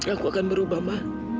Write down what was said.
aku akan berubah ma